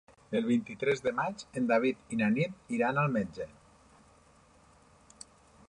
El vint-i-tres de maig en David i na Nit iran al metge.